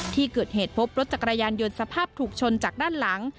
ที่เกิดเหตุพบรถจักรยานยนต์สภาพถูกชนจากด้านหลัง